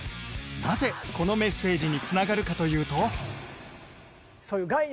なぜこのメッセージに繋がるかというと